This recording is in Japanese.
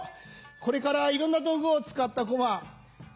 これからいろんな道具を使ったこま。